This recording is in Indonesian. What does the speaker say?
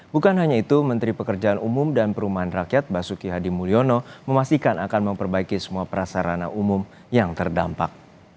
bukan hanya itu menteri pekerjaan umum dan perumahan rakyat basuki hadi mulyono memastikan akan memperbaiki semua prasarana umum yang terdampak